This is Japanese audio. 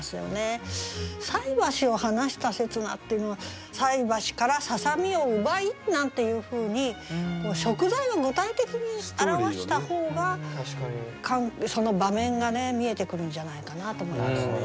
「菜箸を離した刹那」っていうのは「菜箸からささみを奪い」なんていうふうに食材を具体的に表した方がその場面が見えてくるんじゃないかなと思いますね。